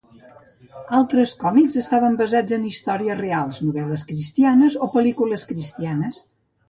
Altres còmics estaven basats en històries reals, novel·les cristianes o pel·lícules cristianes.